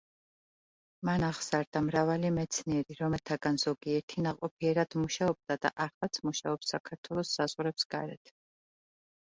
მან აღზარდა მრავალი მეცნიერი, რომელთაგან ზოგიერთი ნაყოფიერად მუშაობდა და ახლაც მუშაობს საქართველოს საზღვრებს გარეთ.